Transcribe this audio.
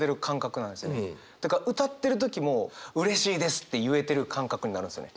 だから歌ってる時もうれしいですって言えてる感覚になるんですよね。